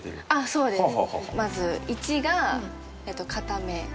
そうですね。